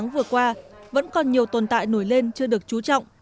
vừa qua vẫn còn nhiều tồn tại nổi lên chưa được chú trọng